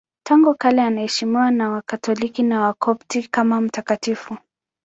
Tangu kale anaheshimiwa na Wakatoliki na Wakopti kama mtakatifu.